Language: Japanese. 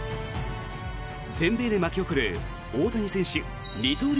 全米で巻き起こる大谷選手二刀流